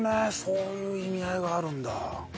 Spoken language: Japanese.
そういう意味合いがあるんだ。